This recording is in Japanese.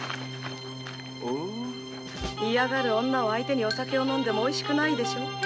嫌がる女を相手にお酒を飲んでもおいしくないわ。